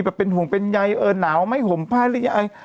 แบบเป็นห่วงเป็นใยเออหนาวไหมห่มพายหรือไร